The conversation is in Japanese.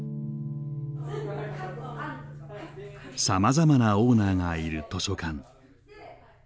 さまざまなオーナーがいる図書館。